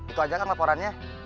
itu aja kan laporannya